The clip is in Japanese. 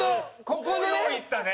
ここよういったね。